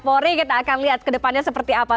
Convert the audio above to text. polri kita akan lihat ke depannya seperti apa